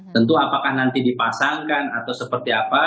tentu apakah nanti dipasangkan atau seperti apa